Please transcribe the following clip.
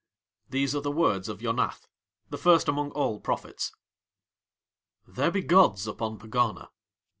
These are the words of Yonath, the first among all prophets: There be gods upon Pegana.